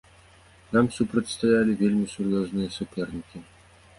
Нам супрацьстаялі вельмі сур'ёзныя сапернікі.